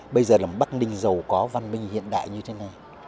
bây giờ là một bắc ninh giàu có văn minh hiện đại như thế này